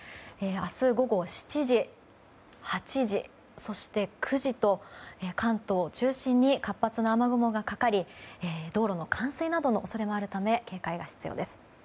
明日午後７時、８時そして９時と関東を中心に活発な雨雲がかかり道路の冠水などの恐れがあるため警戒が必要です。